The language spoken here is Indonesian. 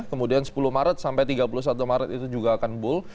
kemudian sepuluh maret sampai tiga puluh satu maret itu juga akan bull